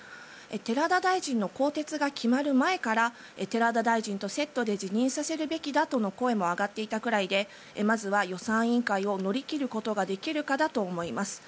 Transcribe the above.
寺田大臣の更迭が決まる前から寺田大臣とセットで辞任させるべきだとの声が上がっていたくらいでまずは予算委員会を乗り切ることができるかだと思います。